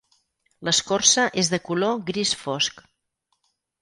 L'escorça és de color gris fosc.